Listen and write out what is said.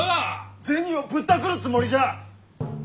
銭をぶったくるつもりじゃ！